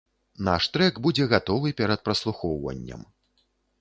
Наш трэк будзе гатовы перад праслухоўваннем.